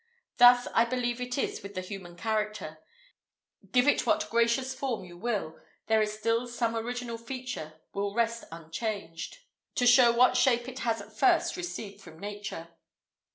Thus I believe it is with the human character; give it what gracious form you will, there is still some original feature will rest unchanged, to show what shape it has at first received from Nature.